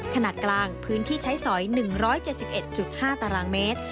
ขนาดกลางพื้นที่ใช้สอย๑๗๑๕ตารางเมตร